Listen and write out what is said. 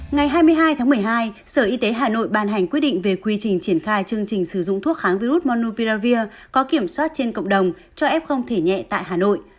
ngày hai mươi hai tháng một mươi hai sở y tế hà nội ban hành quyết định về quy trình triển khai chương trình sử dụng thuốc kháng virus monuviravir có kiểm soát trên cộng đồng cho f không thể nhẹ tại hà nội